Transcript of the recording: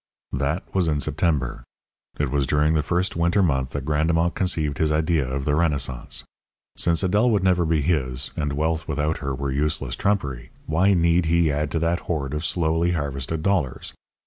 That was in September. It was during the first winter month that Grandemont conceived his idea of the renaissance. Since Adèle would never be his, and wealth without her were useless trumpery, why need he add to that hoard of slowly harvested dollars?